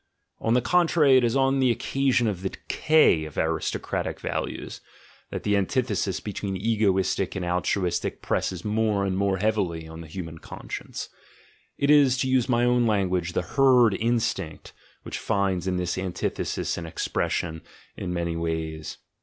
On the contrary, it is on the occasion of the decay of aristocratic values, that "GOOD AND EVIL," "GOOD AND BAD" 5 the antitheses between "egoistic" and "altruistic" presses more and more heavily on the human conscience— it is, to use my own language, the herd instinct which finds in this antithesis an expression in many ways.